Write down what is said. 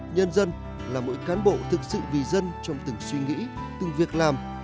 nhân dân là mỗi cán bộ thực sự vì dân trong từng suy nghĩ từng việc làm